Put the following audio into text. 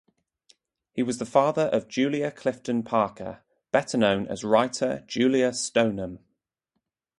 He was the father of Julia Clifton Parker, better known as writer Julia Stoneham.